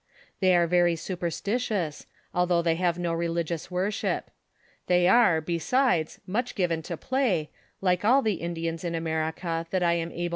They are very superetitious, although they have no religious worship. They are, besides, much given to play, like all the Indians in America, that I am able to know.